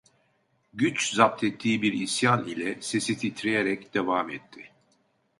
Güç zapt ettiği bir isyan ile, sesi titreyerek devam etti: